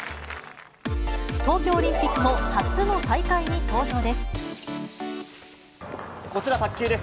東京オリンピック後、初の大こちら、卓球です。